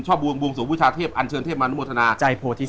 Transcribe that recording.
ชอบบวงบวงสูงวิชาเทพอัญเชิญเทพมนุโมทนาใจโพธิศัพท์